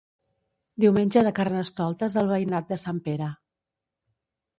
Diumenge de Carnestoltes al veïnat de Sant Pere.